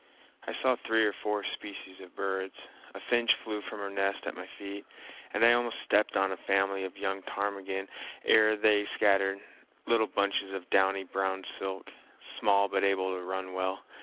I saw three or four species of birds. A finch flew from her nest at my feet; and I almost stepped on a family of young ptarmigan ere they scattered, little bunches of downy brown silk, small but able to run well.